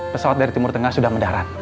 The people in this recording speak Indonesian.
pesawat dari timur tengah sudah mendarat